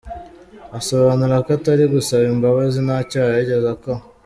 Asobanura ko atari gusaba imbabazi nta cyaha yigeze akora.